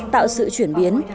tạo sự chuyển biến